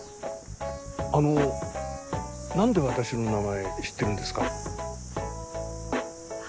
あの何で私の名前知ってるんですか？